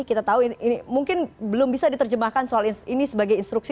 kita tahu ini mungkin belum bisa diterjemahkan soal ini sebagai instruksi